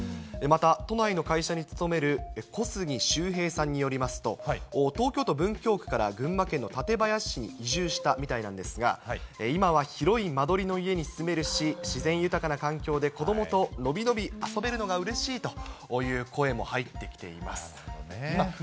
また、都内の会社に勤める小杉周平さんによりますと、東京都文京区から群馬県の館林市に移住したみたいなんですが、今は広い間取りの家に住めるし、自然豊かな環境で子どもと伸び伸び遊べるのがうれしいという声も入ってきています。